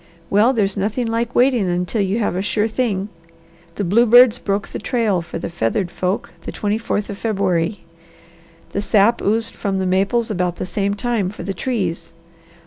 Well, there's nothing like waiting until you have a sure thing. The bluebirds broke the trail for the feathered folk the twenty fourth of February. The sap oozed from the maples about the same time for the trees.